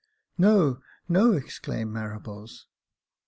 [" No, no !" exclaimed Marables.